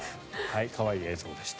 可愛い映像でした。